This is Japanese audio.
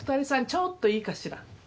ちょっといいかしら。